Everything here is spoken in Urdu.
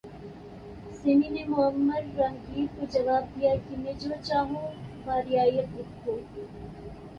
سیمی نے معمر راہگیر کو جواب دیا کہ میں جو چاہوں بہ رعایت لکھوں